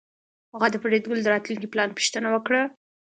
هغه د فریدګل د راتلونکي پلان پوښتنه وکړه